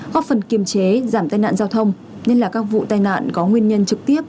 góp phần kiềm chế giảm tai nạn giao thông nhất là các vụ tai nạn có nguyên nhân trực tiếp